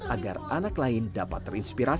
agar anak lain dapat menjaga kemampuan mereka